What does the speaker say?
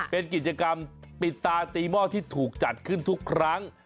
เป็นกิจกรรมปิดตาตีหม้อที่ถูกจัดขึ้นทุกครั้ง